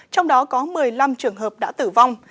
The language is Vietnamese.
trong đó có một mươi năm trường hợp đã tử vong